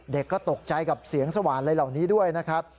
เด็กก็ตกใจกับเสียงสว่านอะไรเหล่านี้ด้วยนะครับ